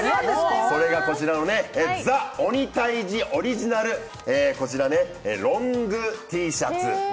それがこちらの「ＴＨＥ鬼タイジ」オリジナルロングＴシャツ。